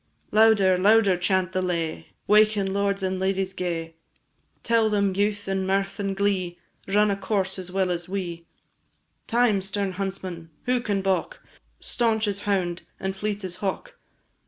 Louder, louder chant the lay, Waken, lords and ladies gay! Tell them youth, and mirth, and glee, Run a course as well as we; Time, stern huntsman! who can baulk, Stanch as hound, and fleet as hawk?